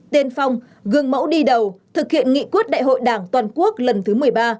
tiên phong gương mẫu đi đầu thực hiện nghị quyết đại hội đảng toàn quốc lần thứ một mươi ba